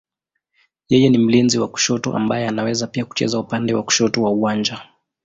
Yeye ni mlinzi wa kushoto ambaye anaweza pia kucheza upande wa kushoto wa uwanja.